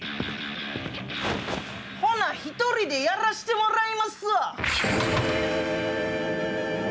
ほな１人でやらしてもらいますわ。